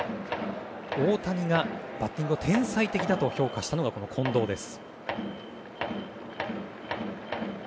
大谷がバッティングは天才的だと評価したのがこの近藤です。